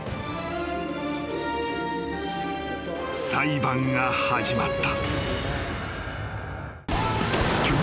［裁判が始まった］